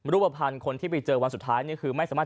รูปภัณฑ์คนที่ไปเจอวันสุดท้ายคือไม่สามารถ